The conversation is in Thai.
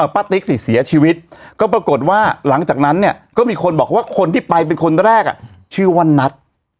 ติ๊กสิเสียชีวิตก็ปรากฏว่าหลังจากนั้นเนี่ยก็มีคนบอกว่าคนที่ไปเป็นคนแรกชื่อว่านัท